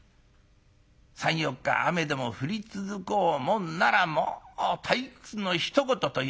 ３４日雨でも降り続こうもんならもう退屈のひと言というやつで。